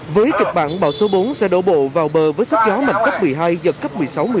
với kịch bản bão số bốn sẽ đổ bộ vào bờ với sức gió mạnh cấp một mươi hai giật cấp một mươi sáu một mươi